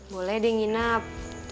boleh deh nginep